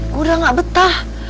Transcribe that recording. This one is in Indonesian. gue udah gak betah